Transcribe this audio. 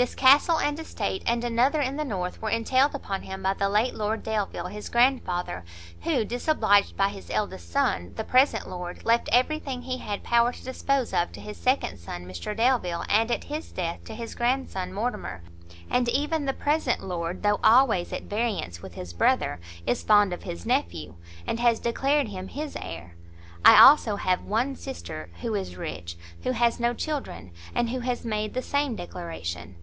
This castle and estate, and another in the north, were entailed upon him by the late Lord Delvile, his grandfather, who, disobliged by his eldest son, the present lord, left every thing he had power to dispose of to his second son, Mr Delvile, and at his death, to his grandson, Mortimer. And even the present lord, though always at variance with his brother, is fond of his nephew, and has declared him his heir. I, also, have one sister, who is rich, who has no children, and who has made the same declaration.